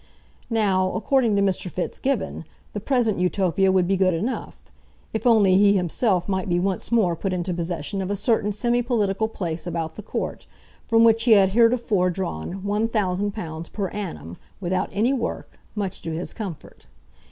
Now, according to Mr. Fitzgibbon, the present Utopia would be good enough, if only he himself might be once more put into possession of a certain semi political place about the Court, from which he had heretofore drawn £1,000 per annum, without any work, much to his comfort.